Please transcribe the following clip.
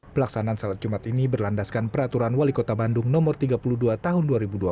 pelaksanaan salat jumat ini berlandaskan peraturan wali kota bandung no tiga puluh dua tahun dua ribu dua puluh